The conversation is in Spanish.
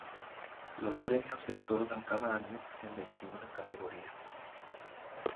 Los premios se otorgan cada año en veintiuna categorías.